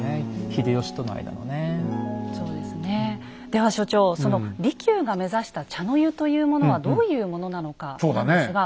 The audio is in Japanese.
では所長その利休が目指した茶の湯というものはどういうものなのかなんですが。